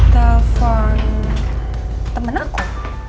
telepon temen aku